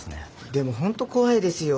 でもホント怖いですよ。